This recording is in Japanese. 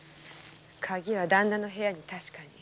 鍵はダンナの部屋に確かに。